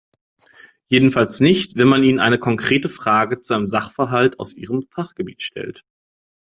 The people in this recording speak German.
Jedenfalls nicht, wenn man ihnen eine konkrete Frage zu einem Sachverhalt aus ihrem Fachgebiet stellt.